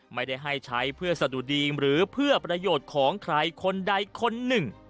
ไม่ได้ให้ใช้เพื่อสะดุดีมหรือเพื่อประโยชน์ของใครคนใดคนหนึ่ง